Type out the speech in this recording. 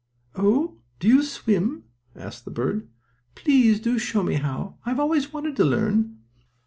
"Oh, do you swim?" asked the bird. "Do please show me how. I've always wanted to learn."